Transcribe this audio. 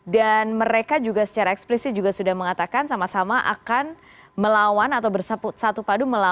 dan mereka juga secara eksplisit juga sudah mengatakan sama sama akan melawan atau bersatu padu melawan